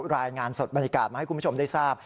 รายงานสดบรรยากาศมาให้คุณผู้ชมได้ทราบ